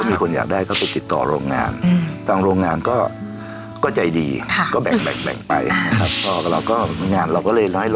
มันอย่างนี้ครับความต้องการมันเยอะหลังเนี่ย